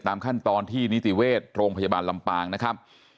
ขั้นตอนที่นิติเวชโรงพยาบาลลำปางนะครับ